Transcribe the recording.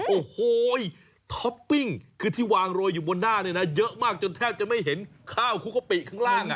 โอ้โหท็อปปิ้งคือที่วางโรยอยู่บนหน้าเนี่ยนะเยอะมากจนแทบจะไม่เห็นข้าวคุกกะปิข้างล่าง